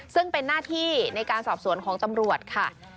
ซึ่งเป็นหน้าที่ในการสอบสวนของตำรวจค่ะ